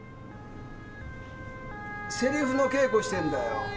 せりふの稽古してんだよ。